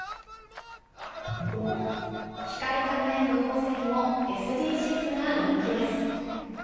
光り輝く宝石もＳＤＧｓが人気です。